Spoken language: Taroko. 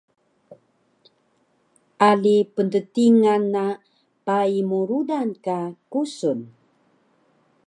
Ali pnttingan na pai mu rudan ka kusun